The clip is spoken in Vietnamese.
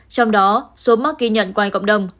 trong đó số mắc ghi nhận quay cộng đồng một sáu trăm linh ca